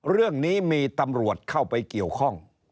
เรื่องนี้มีตำรวจเข้าไปเกี่ยวข้อง